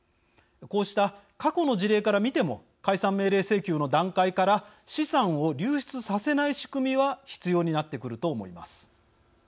こうした過去の事例から見ても解散命令請求の段階から資産を流出させない仕組みは必要になってくると思います。